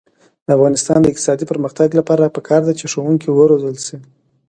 د افغانستان د اقتصادي پرمختګ لپاره پکار ده چې ښوونکي وروزل شي.